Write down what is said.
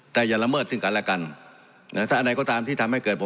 แต่อย่าละเมิดซึ่งกันและกันนะถ้าอันไหนก็ตามที่ทำให้เกิดผล